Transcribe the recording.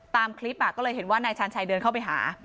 ตามคลิปก็เลยเห็นว่านายชาญชัยเดินเข้าไปหา